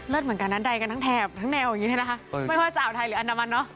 เลิศเหมือนกันนะใดกันทั้งแทบทั้งแนวอย่างงี้นะฮะไม่ว่าเจ้าไทยหรืออนามันเนาะ